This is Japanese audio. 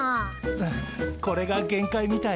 うこれが限界みたい。